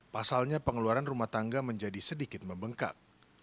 pasalnya pengeluaran rumah tangga menjadi sedikit membengkak